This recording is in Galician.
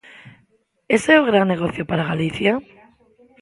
¿Ese é o gran negocio para Galicia?